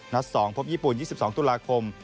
นัดสองพบญี่ปุ่น๒๒ตุลาคม